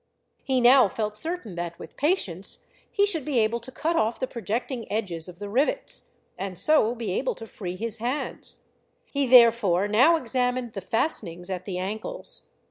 He now felt certain that, with patience, he should be able to cut off the projecting edges of the rivets, and so be able to free his hands. He, therefore, now examined the fastenings at the ankles.